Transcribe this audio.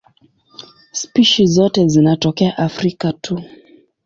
Spishi zote zinatokea Afrika tu.